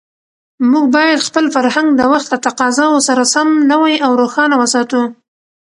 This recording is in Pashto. موږ باید خپل فرهنګ د وخت له تقاضاوو سره سم نوی او روښانه وساتو.